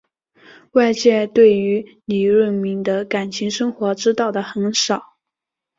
外界对于李闰珉的感情生活知道的很少。